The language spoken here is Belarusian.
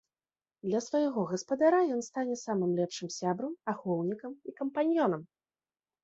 Для свайго гаспадара ён стане самым лепшым сябрам, ахоўнікам і кампаньёнам!